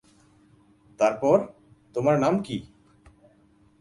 তারপর, তোমার নাম কি?